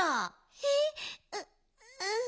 えっううん。